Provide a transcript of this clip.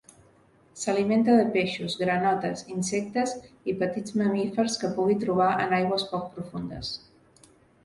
S'alimenta de peixos, granotes, insectes i petits mamífers que pugui trobar en aigües poc profundes.